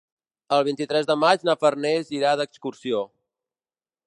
El vint-i-tres de maig na Farners irà d'excursió.